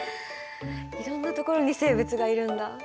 いろんな所に生物がいるんだ。